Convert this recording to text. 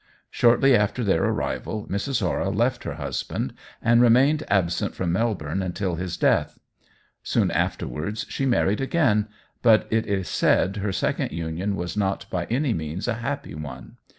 Shortly after their arrival, Mrs. Hora left her husband, and remained absent from Melbourne until his death. Soon afterwards she married again, but it is said her second union was not by any means a happy one.